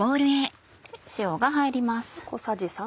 塩が入ります。